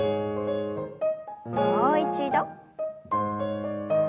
もう一度。